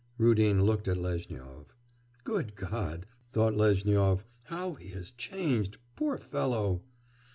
Rudin looked at Lezhnyov. 'Good God!' thought Lezhnyov, 'how he has changed, poor fellow!